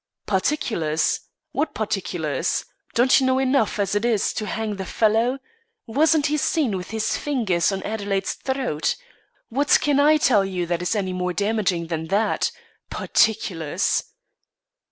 "Particulars? What particulars? Don't you know enough, as it is, to hang the fellow? Wasn't he seen with his fingers on Adelaide's throat? What can I tell you that is any more damaging than that? Particulars!"